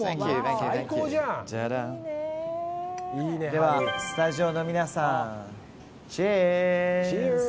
では、スタジオの皆さんチアーズ！